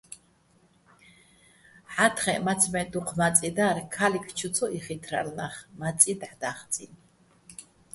ჰ̦ა́თხეჸ, მაცმე́ დუჴ მაწი დარ, ქა́ლიქ ჩუ ცო იხითრალო̆ ნახ მაწი დაჰ̦ და́ხწიჼ.